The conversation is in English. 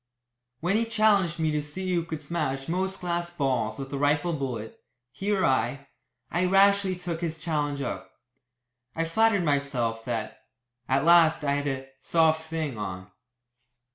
When he challenged me to see who could smash most glass balls with a rifle bullet, he or I, I rashly took his challenge up. I flattered myself that, at last, I had a "soft thing" on.